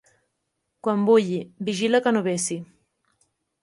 Quan bulli, vigila que no vessi.